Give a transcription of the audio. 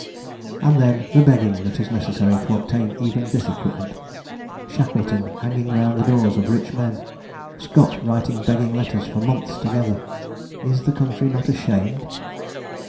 And then the begging that is necessary to obtain even this equipment. Shackleton hanging round the doors of rich men! Scott writing begging letters for months together! Is the country not ashamed?